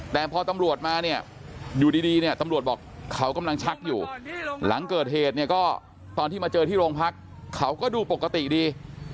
แต่พอตำรวจมาเนี่ยอยู่ดีเนี่ยตำรวจบอกเขากำลังชักอยู่หลังเกิดเหตุเนี่ยก็ตอนที่มาเจอที่โรงพักเขาก็ดูปกติดี